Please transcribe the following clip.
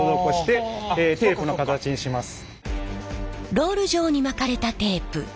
ロール状に巻かれたテープ。